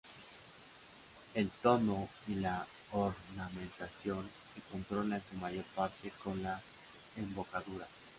El tono y la ornamentación se controla en su mayor parte con la embocadura.